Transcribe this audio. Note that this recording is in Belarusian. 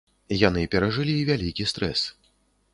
Яны перажылі вялікі стрэс.